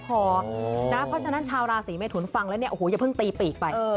เพราะฉะนั้นชาวราศีเมทุนฟังแล้วเนี่ยโอ้โหอย่าเพิ่งตีปีกไป